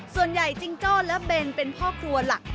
ส่วนใหญ่จิงจ้อและเบนเป็นพ่อครัวหลัก